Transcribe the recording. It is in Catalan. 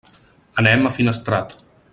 Anem a Finestrat.